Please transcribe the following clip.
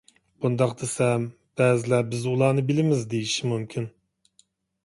مۇنداق دېسەم، بەزىلەر «بىز ئۇلارنى بىلىمىز» ، دېيىشى مۇمكىن.